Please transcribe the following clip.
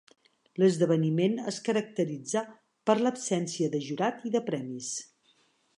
L'esdeveniment es caracteritza per l'absència de jurat i de premis.